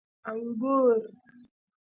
🍇 انګور